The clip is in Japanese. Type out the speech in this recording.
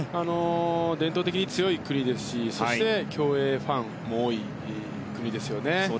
伝統的に強い国ですしそして競泳ファンも多い国ですよね。